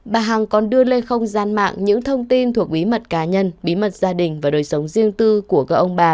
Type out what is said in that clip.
bà hằng còn đưa lên không gian mạng những thông tin thuộc bí mật cá nhân bí mật gia đình và đời sống riêng tư của các ông bà